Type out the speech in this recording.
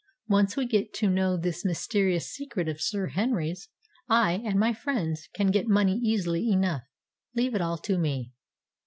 "Once we get to know this mysterious secret of Sir Henry's, I and my friends can get money easily enough. Leave it all to me."